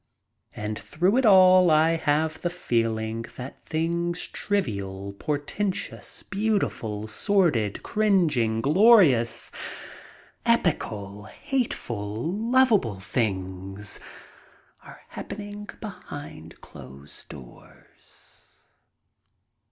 And through it all I have the feeling that things trivial, portentous, beautiful, sordid, cringing, glorious, simple, epochal, hateful, lovable things, are happening behind closed doors.